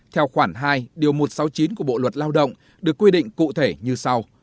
theo khoản hai điều một trăm sáu mươi chín của bộ luật lao động được quy định cụ thể như sau